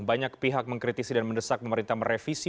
banyak pihak mengkritisi dan mendesak pemerintah merevisi